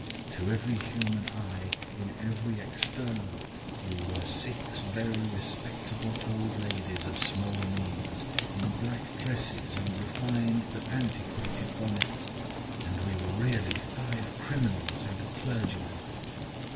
To every human eye, in every external, we were six very respectable old ladies of small means, in black dresses and refined but antiquated bonnets; and we were really five criminals and a clergyman.